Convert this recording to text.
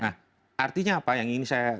nah artinya apa yang ingin saya